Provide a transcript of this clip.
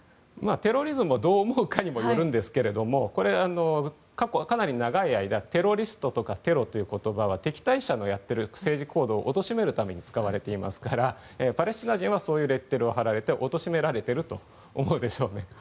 テロリズムをどう思うかにもよるんですがこれ、かなり長い間テロリストとかテロという言葉は敵対者のやっている政治行動をおとしめるために使われていますからパレスチナ人はそういうレッテルを貼られて貶められていると思うでしょうね。